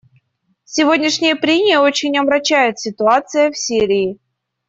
Сегодняшние прения очень омрачает ситуация в Сирии.